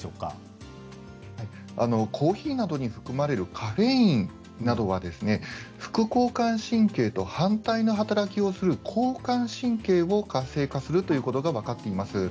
コーヒーなどに含まれるカフェインなどは副交感神経と反対の働きをする交感神経を活性化するということが分かっています。